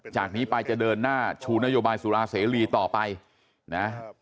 จากนี้ไปจะเดินหน้าชูนโยบายสุราเสรีต่อไปนะ